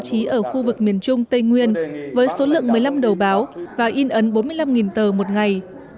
trí ở khu vực miền trung tây nguyên với số lượng một mươi năm đầu báo và in ấn bốn mươi năm tờ một ngày